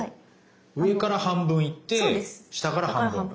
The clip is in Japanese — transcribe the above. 上から半分行って下から半分。